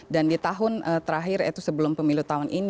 dan di tahun terakhir itu sebelum pemilu tahun ini